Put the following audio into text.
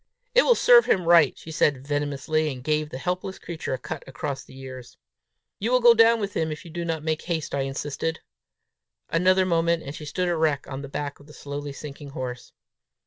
"It will serve him right," she said venomously, and gave the helpless creature a cut across the ears. "You will go down with him, if you do not make haste," I insisted. Another moment and she stood erect on the back of the slowly sinking horse.